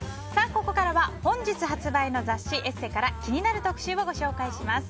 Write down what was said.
ここからは本日発売の雑誌「ＥＳＳＥ」から気になる特集をご紹介します。